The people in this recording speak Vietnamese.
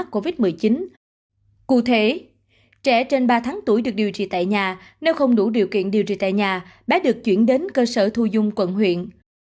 cụ thể trẻ trên ba tháng tuổi được điều trị tại nhà nếu không đủ điều kiện điều trị tại nhà bé được chuyển đến cơ sở thu dung quận huyện